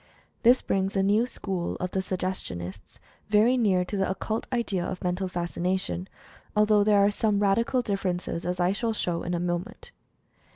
This brings the new school of the Sug gestionists very near to the occult idea of "Mental Fascination," although there are some radical differ ences, as I shall show in a moment.